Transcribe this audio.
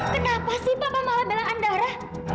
kenapa sih bapak malah bilang andara